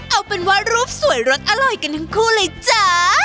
เอาเป็นว่ารูปสวยรสอร่อยกันทั้งคู่เลยจ้า